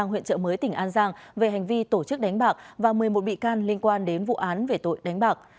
công mới tỉnh an giang về hành vi tổ chức đánh bạc và một mươi một bị can liên quan đến vụ án về tội đánh bạc